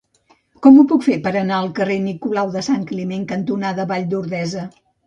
Com ho puc fer per anar al carrer Nicolau de Sant Climent cantonada Vall d'Ordesa?